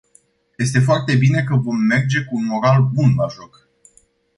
Este foarte bine că vom merge cu un moral bun la joc.